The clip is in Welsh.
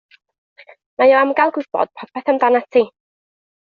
Mae o am gael gwybod popeth amdanat ti.